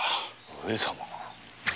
上様？